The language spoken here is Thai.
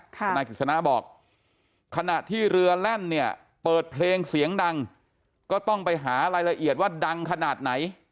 ทนายกฤษณะบอกขณะที่เรือแล่นเนี่ยเปิดเพลงเสียงดังก็ต้องไปหารายละเอียดว่าดังขนาดไหน